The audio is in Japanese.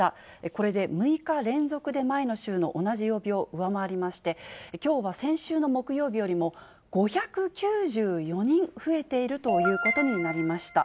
これで６日連続で前の週の同じ曜日を上回りまして、きょうは先週の木曜日よりも５９４人増えているということになりました。